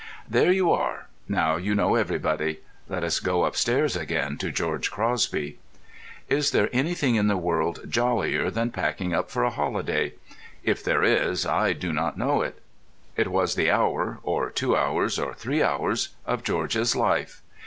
There you are; now you know everybody. Let us go upstairs again to George Crosby. Is there anything in the world jollier than packing up for a holiday? If there is, I do not know it. It was the hour (or two hours or three hours) of George's life.